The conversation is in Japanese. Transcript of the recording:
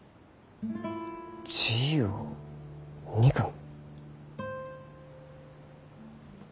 自由を憎む？